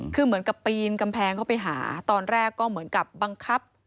คือเหมือนกับปีนกำแพงเข้าไปหาตอนแรกก็เหมือนกับบังคับ